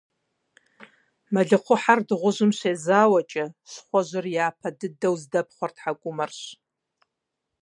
Мэлыхъуэхьэр дыгъужьым щезауэкӀэ щхъуэжьыр япэ дыдэ здэпхъуэр тхьэкӀумэращ.